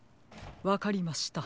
わかりました。